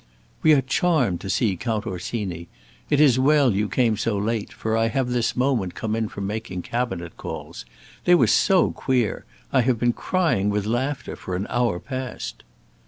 "We are charmed to see Count Orsini. It is well you came so late, for I have this moment come in from making Cabinet calls. They were so queer! I have been crying with laughter for an hour past."